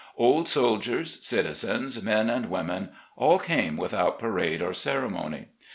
Old soldiers, citizens, men and women, all came without parade or ceremony.